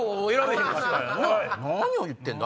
何を言ってんだ？